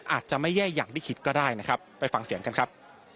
อาจจะไม่แย่อย่างที่คิดก็ได้นะครับไปฟังเสียงกันครับ